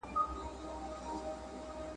په کندهار کي د صنعت پرمختګ څنګه اندازه کېږي؟